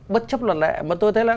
bất chấp luận lẽ mà tôi thấy là